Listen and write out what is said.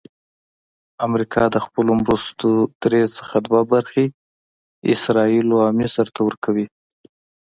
امریکا د خپلو مرستو درې څخه دوه برخې اسراییلو او مصر ته ورکوي.